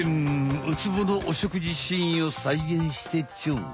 ウツボのおしょくじシーンを再現してちょ！